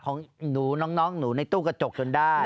ของหนูน้องหนูในตู้กระจกจนได้